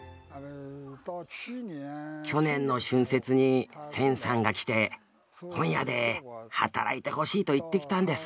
去年の春節に銭さんが来て本屋で働いてほしいと言ってきたんです。